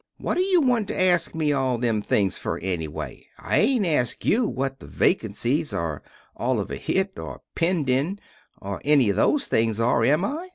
What you want to go askin me all those things fer ennyway? I aint askin you what the vacancies, or all of a hit, or pending, of enny of those things are, am I?